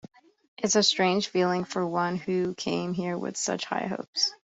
It's a strange feeling for one who came here with such high hopes.